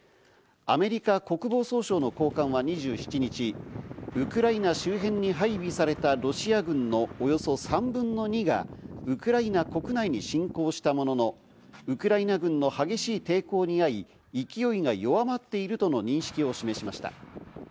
アメリカ国防総省の高官は２７日、ウクライナ周辺に配備されたロシア軍のおよそ３分の２がウクライナ国内に侵攻したものの、ウクライナ軍の激しい抵抗にあい勢いが弱まっているとの認識を示しました。